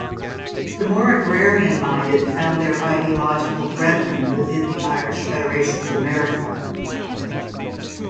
The more agrarian-minded found their ideological brethren within the Irish Federation of America.